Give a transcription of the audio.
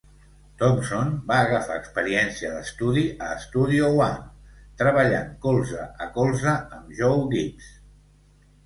Thompson va agafar experiència d'estudi a Studio One, treballant colze a colze amb Joe Gibbs.